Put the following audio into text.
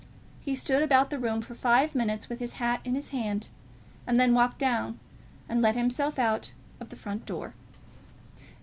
He stood about the room for five minutes with his hat in his hand, and then walked down and let himself out of the front door.